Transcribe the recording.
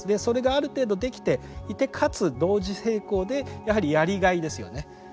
それがある程度できていてかつ同時並行でやはりやりがいですよね。